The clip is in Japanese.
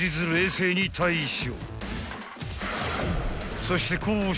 ［そして］